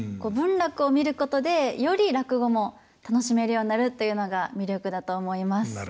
文楽を見ることでより落語も楽しめるようになるというのが魅力だと思います。